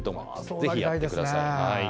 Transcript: ぜひやってください。